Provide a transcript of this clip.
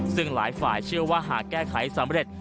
ซึ่งหลายฝ่ายเชื่อว่าหากแก้ไขสำเร็จ